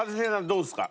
どうですか？